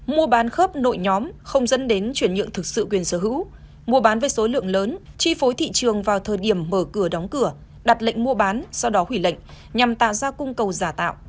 mua bán với số lượng lớn chi phối thị trường vào thời điểm mở cửa đóng cửa đặt lệnh mua bán sau đó hủy lệnh nhằm tạo ra cung cầu giả tạo